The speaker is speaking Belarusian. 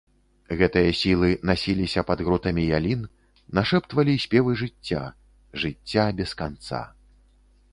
Гэтыя сілы насіліся пад гротамі ялін, нашэптвалі спевы жыцця, жыцця без канца.